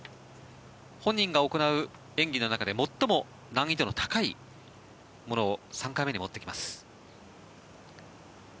本人が行う演技の中で最も難易度の高いものを３回目に持ってきます。